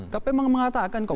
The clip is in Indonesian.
kpk mengatakan kok